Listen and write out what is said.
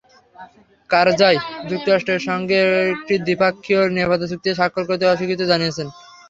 কারজাই যুক্তরাষ্ট্রের সঙ্গে একটি দ্বিপক্ষীয় নিরাপত্তা চুক্তিতে স্বাক্ষর করতে অস্বীকৃতি জানিয়েছেন।